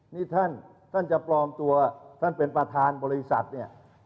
นี่ท่านท่านจะปลอมตัวท่านเป็นประธานบริษัทเนี่ย